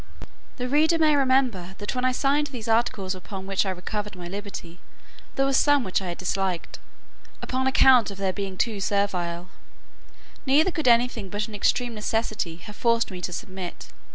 The reader may remember, that when I signed those articles upon which I recovered my liberty, there were some which I disliked, upon account of their being too servile; neither could anything but an extreme necessity have forced me to submit.